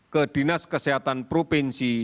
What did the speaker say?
ke dinas kesehatan provinsi